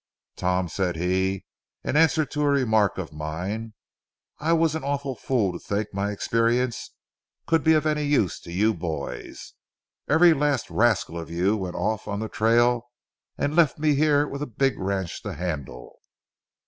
"Tom," said he, in answer to a remark of mine, "I was an awful fool to think my experience could be of any use to you boys. Every last rascal of you went off on the trail and left me here with a big ranch to handle.